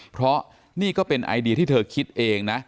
เพราะนี่ก็เป็นไอเดียที่เธอคิดเองนะ